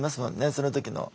その時の。